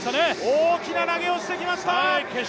大きな投げをしてきました。